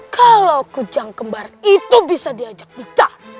kalau kucang kembar itu bisa diajak pecah